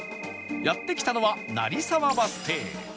やって来たのは成沢バス停